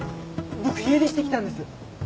僕家出してきたんです。